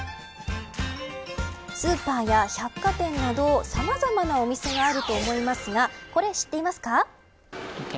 スーパーや百貨店などさまざまなお店があると思いますがこれ、知っていますか。